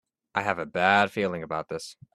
I have a bad feeling about this!